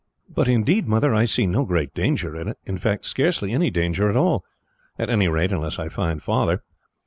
"But indeed, Mother, I see no great danger in it; in fact, scarcely any danger at all at any rate, unless I find Father.